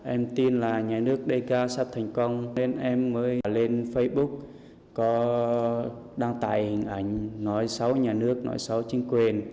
em tin là nhà nước đê ca sắp thành công nên em mới lên facebook có đăng tải hình ảnh nói xấu nhà nước nói xấu chính quyền